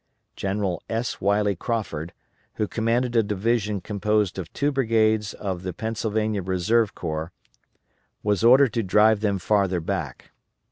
General S. Wiley Crawford, who commanded a division composed of two brigades of the Pennsylvania Reserve Corps, was ordered to drive them farther back.